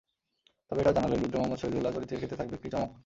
তবে এটাও জানালেন, রুদ্র মুহম্মদ শহিদুল্লাহ চরিত্রের ক্ষেত্রে থাকবে একটি চমক।